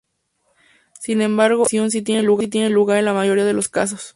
Sin embargo, esta transición sí tiene lugar en la mayoría de los casos.